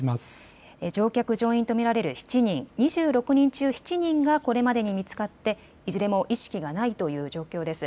乗客・乗員と見られる７人、２６人中７人がこれまでに見つかっていずれも意識がないという状況です。